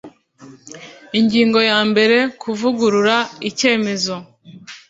Ingingo ya mbere Kuvugurura icyemezo